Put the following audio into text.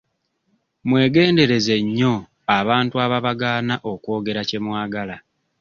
Mwegendereze nnyo abantu ababagaana okwogera kye mwagala.